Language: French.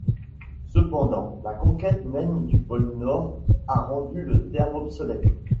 Cependant, la conquête même du pôle Nord a rendu le terme obsolète.